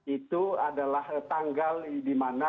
itu adalah tanggal dimana